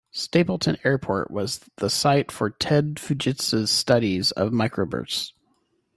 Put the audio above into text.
Stapleton Airport was the site for Ted Fujita's studies of microbursts.